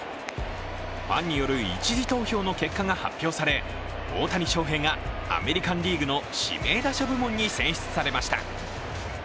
ファンによる１次投票の結果が発表され大谷翔平がアメリカン・リーグの指名打者部門に選出されました。